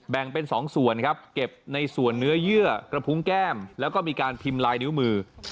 แบ่งเป็น๒ส่วนครับเก็บในส่วนเนื้อเยื่อกระพุงแก้มแล้วก็มีการพิมพ์ลายนิ้วมือ